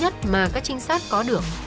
những mối duy nhất mà các trinh sát có được